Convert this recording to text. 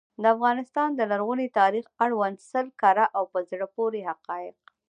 د افغانستان د لرغوني تاریخ اړوند سل کره او په زړه پوري حقایق.